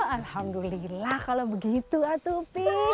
alhamdulillah kalau begitu atuh pih